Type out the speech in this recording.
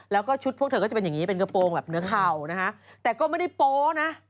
แล้วก็ชุดพวกเธอก็จะเป็นอย่างนี้เป็นกระโปรงแบบเนื้อเข่านะคะแต่ก็ไม่ได้โป๊นะ